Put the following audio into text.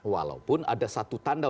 walaupun ada satu tanda